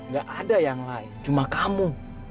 gak ada yang lain cuma kamu